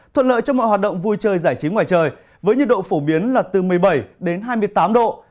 thuận lợi cho mọi hoạt động vui chơi giải trí ngoài trời với nhiệt độ phổ biến là từ một mươi bảy đến hai mươi tám độ